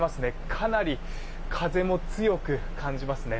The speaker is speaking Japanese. かなり風も強く感じますね。